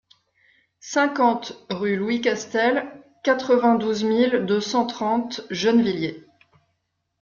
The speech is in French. cinquante rue Louis Castel, quatre-vingt-douze mille deux cent trente Gennevilliers